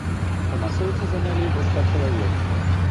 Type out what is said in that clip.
У масоўцы занялі да ста чалавек.